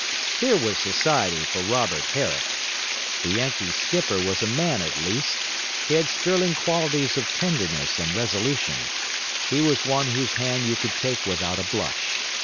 Here was society for Robert Herrick! The Yankee skipper was a man at least: he had sterling qualities of tenderness and resolution; he was one whose hand you could take without a blush.